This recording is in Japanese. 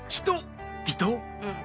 うん。